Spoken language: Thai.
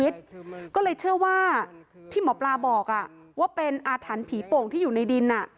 ถ้าที่หมอปลาบอกว่าเป็นอาถรรพีโป่งที่อยู่ในดิน